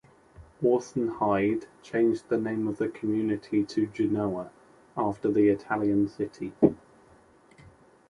Orson Hyde changed the name of the community to Genoa, after the Italian city.